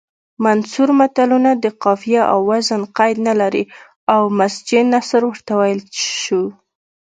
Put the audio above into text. منثور متلونه د قافیې او وزن قید نلري او مسجع نثر ورته ویلی شو